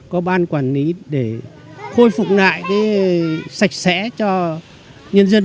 có ban quản lý để khôi phục lại cái sạch sẽ cho nhân dân